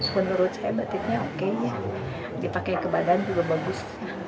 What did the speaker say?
menurut saya batiknya oke dipakai ke badan juga bagus